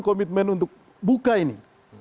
komitmen untuk buka ini